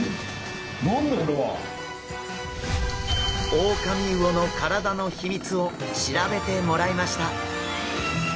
オオカミウオの体の秘密を調べてもらいました。